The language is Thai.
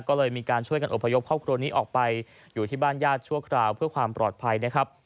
ก็เลยมีการช่วยกันอพยพครอบครัวนี้ออกไปอยู่ที่บ้านญาติชั่วคราวเพื่อความปลอดภัยนะครับ